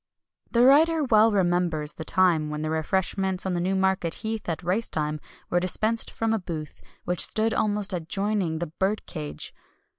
The writer well remembers the time when the refreshments on Newmarket Heath at race time were dispensed from a booth, which stood almost adjoining the "Birdcage."